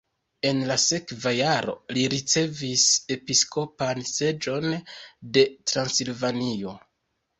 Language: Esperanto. En la sekva jaro li ricevis episkopan seĝon de Transilvanio.